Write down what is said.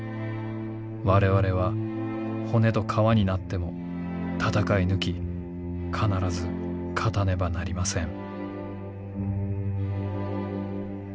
我々は骨と皮になっても戦い抜き必ず勝たねばなりません」。